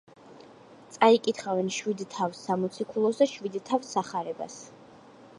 წაიკითხავენ შვიდ თავს სამოციქულოს და შვიდ თავს სახარებას.